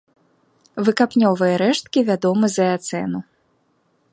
Выкапнёвыя рэшткі вядомы з эацэну.